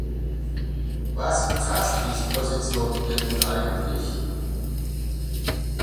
Was umfasst diese Position denn nun eigentlich?